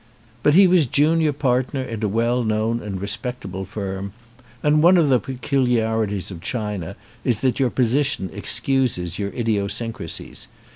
But he was junior partner in a well known and respectable firm, and one of the peculiarities of China is that your position excuses your idiosyn crasies.